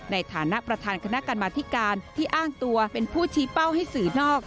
ในฐานะประธานคณะกรรมธิการที่อ้างตัวเป็นผู้ชี้เป้าให้สื่อนอก